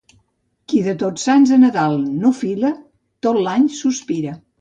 Qui de Tots Sants a Nadal no fila, tot l'any sospira.